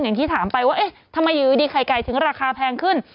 อย่างที่ถามไปว่าเอ๊ะทำไมอยู่ดีไข่ไก่ถึงราคาแพงขึ้น